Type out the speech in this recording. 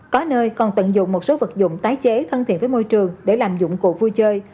có nơi còn tận dụng một số vật dụng tái chế thân thiện với môi trường để làm dụng cụ vui chơi